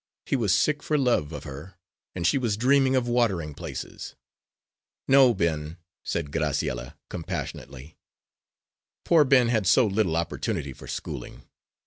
He was sick for love of her, and she was dreaming of watering places. "No, Ben," said Graciella, compassionately. Poor Ben had so little opportunity for schooling!